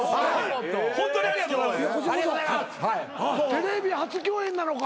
テレビ初共演なのか？